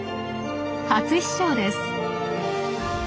初飛翔です。